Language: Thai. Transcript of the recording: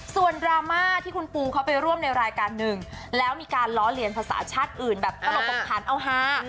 ส่วนดราม่าที่คุณปูเขาไปร่วมในรายการหนึ่งแล้วมีการล้อเลียนภาษาชาติอื่นแบบตลกตกขันเอาฮา